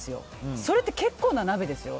それって結構な鍋ですよ。